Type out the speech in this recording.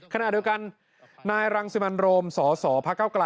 ขณะเดียวกันนายรังสุมันโรมสสพก